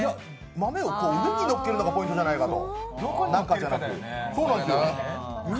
豆を上にのっけるのがポイントじゃないかと。